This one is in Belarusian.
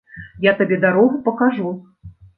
Я табе дарогу пакажу.